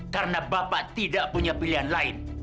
karena bapak tidak punya pilihan lain